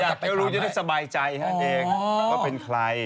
อยากจะรู้จะได้สบายใจครับเองว่าเป็นใคร